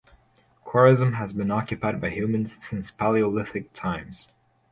Khorezm has been occupied by humans since Paleolithic times.